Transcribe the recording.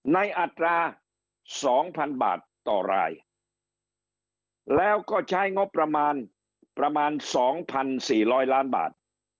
ในอัตราสองพันบาทต่อรายแล้วก็ใช้งบประมาณประมาณสองพันสี่ร้อยล้านบาท